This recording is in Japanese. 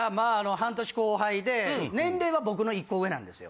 半年後輩で年齢は僕の１個上なんですよ。